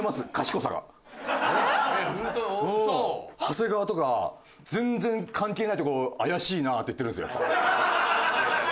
長谷川とか全然関係ない所を怪しいなって言ってるんですよ。